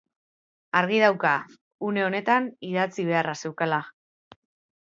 Argi dauka une honetan idatzi beharra zeukala.